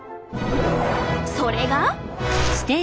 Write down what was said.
それが？